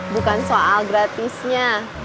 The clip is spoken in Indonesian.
bukan soal gratisnya